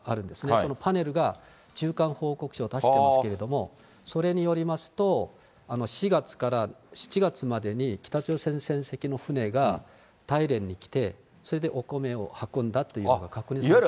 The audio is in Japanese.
そのパネルが中間報告書を出していますけれども、それによりますと、４月から７月までに、北朝鮮船籍の船が大連に来て、それでお米を運んだというのが確認されています。